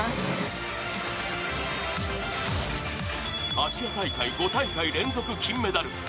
アジア大会５大会連続金メダル。